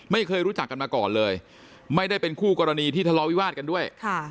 ไม่เคยรู้จักกันมาก่อนเลยไม่ได้เป็นคู่กรณีที่ทะเลาวิวาสกันด้วย